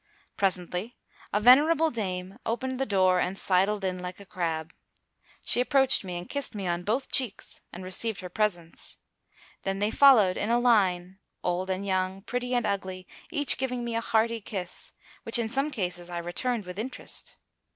Presently a venerable dame opened the door, and sidled in like a crab. She approached me and kissed me on both cheeks, and received her presents. Then they followed in a line, old and young, pretty and ugly, each giving me a hearty kiss, which, in some cases, I returned with interest.